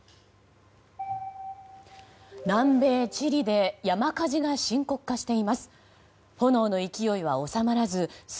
南米チリで山火事が深刻化しています。